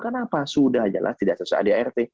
kenapa sudah jelas tidak sesuai di art